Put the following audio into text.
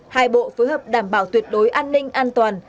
hai bộ phối hợp đảm bảo tuyệt đối an ninh an toàn